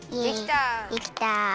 できた。